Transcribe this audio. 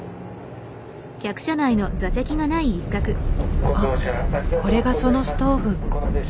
あっこれがそのストーブ。